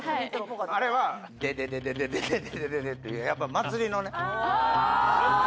あれは、でででででっていう、やっぱ祭りのね。